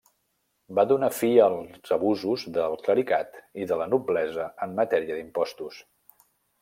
Va donar fi als abusos del clericat i de la noblesa en matèria d'impostos.